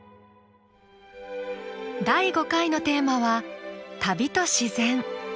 第５回のテーマは「旅と自然」。